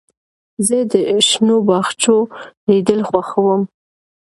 زه د شنو باغچو لیدل خوښوم.